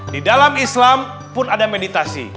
di dalam islam pun ada meditasi